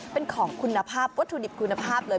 เป็นของคุณภาพวัตถุดิบคุณภาพเลย